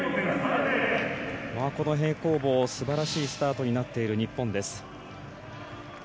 この平行棒、すばらしいスタートになっている日本です。